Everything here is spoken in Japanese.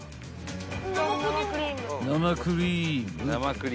［生クリーム］